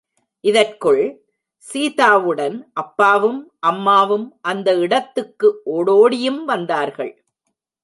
இதற்குள், சீதாவுடன் அப்பாவும், அம்மாவும் அந்த இடத்துக்கு ஓடோடியும் வந்தார்கள்.